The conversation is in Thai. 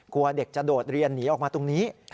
กลัวเด็กจะโดดเรียนหนีออกมาตรงนี้